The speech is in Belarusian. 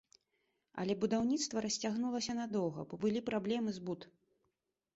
Але будаўніцтва расцягнулася надоўга, бо былі праблемы з буд.